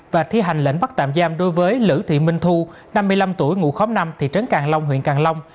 và thi hành lệnh bắt tạm giam đối với lữ thị minh thu năm mươi năm tuổi ngụ khó khóm năm thị trấn càng long huyện càng long